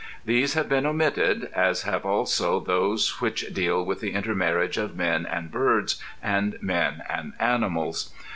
These have been omitted, as have also those which deal with the intermarriage of men and birds, and men and animals.